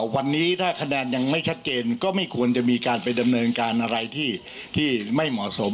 วันนี้ถ้าคะแนนยังไม่ชัดเจนก็ไม่ควรจะมีการไปดำเนินการอะไรที่ไม่เหมาะสม